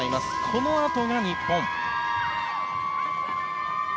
このあとが日本。